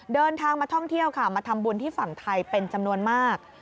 เดินทางมาท่องเที่ยวค่ะมาทำบุญที่ฝั่งไทยเป็นจำนวนมาก